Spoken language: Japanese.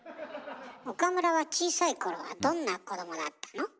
岡村は小さい頃はどんな子どもだったの？